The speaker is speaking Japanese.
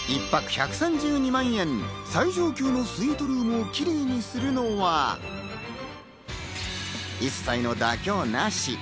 １泊１３２万円、最上級のスイートルームをキレイにするのは、一切の妥協なし。